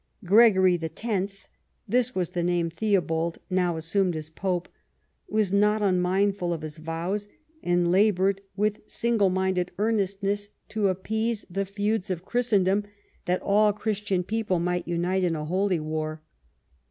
Gregory X. — this was the name Theobald now assumed as pope — was not un mindful of his vows, and laboured with single minded earnestness to appease the feuds of Christendom that all Christian people might unite in a holy war.